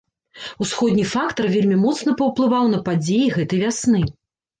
Усходні фактар вельмі моцна паўплываў на падзеі гэтай вясны.